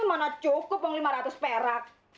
mana cukup lima ratus perak